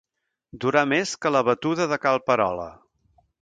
Durar més que la batuda de cal Perola.